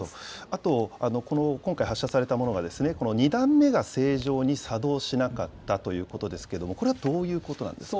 あと、この今回発射されたものが、２段目が正常に作動しなかったということですけれども、これはどういうことなんですか。